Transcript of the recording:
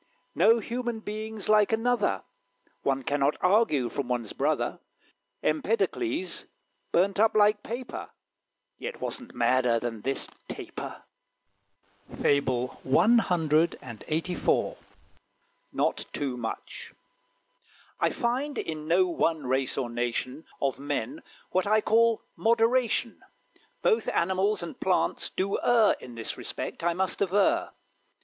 No human being's like another: One cannot argue from one's brother. Empedocles burnt up like paper; Yet wasn't madder than this Taper. FABLE CLXXXIV. "NOT TOO MUCH." I Find in no one race or nation Of men what I call moderation; Both animals and plants do err In this respect, I must aver.